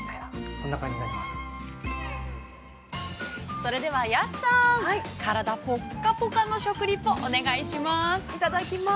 ◆それでは安さん、体ぽっかぽかの食リポ、お願いします。